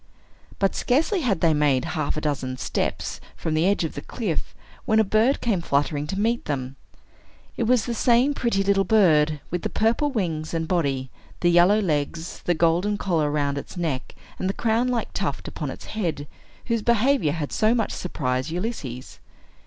But scarcely had they made half a dozen steps from the edge of the cliff, when a bird came fluttering to meet them. It was the same pretty little bird, with the purple wings and body, the yellow legs, the golden collar round its neck, and the crown like tuft upon its head, whose behavior had so much surprised Ulysses.